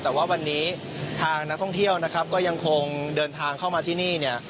แต่ว่าวันนี้ทางนักท่องเที่ยวนะครับก็ยังคงเดินทางเข้ามาที่นี่เนี่ย